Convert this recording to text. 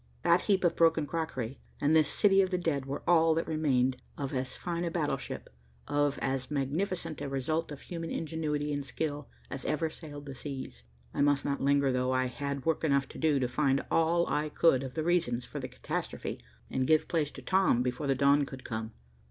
That heap of broken crockery and this city of the dead were all that remained of as fine a battleship, of as magnificent a result of human ingenuity and skill, as ever sailed the seas. I must not linger, though, I had work enough to do, to find all I could of the reasons for the catastrophe, and give place to Tom before the dawn could come.